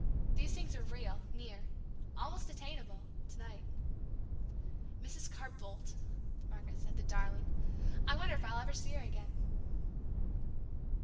These things were real, near almost attainable to night. "Mrs. Carr Boldt!" Margaret said, "the darling! I wonder if I'll ever see her again!"